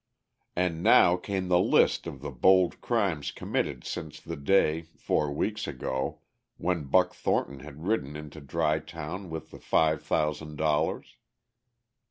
And now came the list of the bold crimes committed since the day, four weeks ago, when Buck Thornton had ridden into Dry Town with the five thousand dollars.